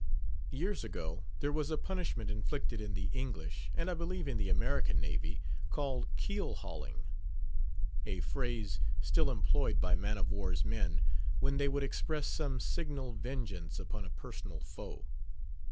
Years ago there was a punishment inflicted in the English, and I believe in the American Navy, called keel hauling—a phrase still employed by man of war's men when they would express some signal vengeance upon a personal foe.